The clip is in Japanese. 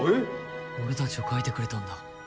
俺たちを描いてくれたんだ。